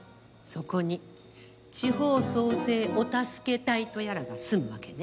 そこに地方創生お助け隊とやらが住むわけね？